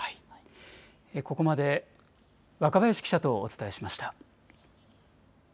ここまで若林記者とお伝えしました。